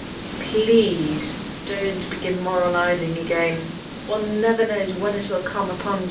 Please don't begin moralising again. One never knows when it will come upon you.